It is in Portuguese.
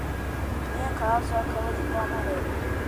Minha casa é aquela de cor amarela.